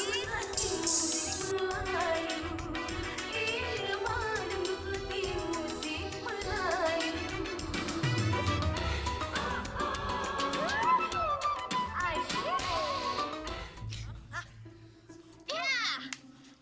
tidak ada yang minum